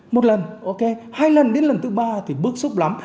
một lần ok hai lần đến lần thứ ba thì bức xúc lắm